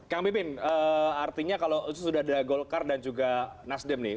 kang pipin artinya kalau sudah ada golkar dan juga nasdem nih